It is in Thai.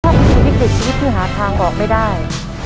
ถ้าวิศิษย์วิติศที่พื้นหาทางออกไม่ได้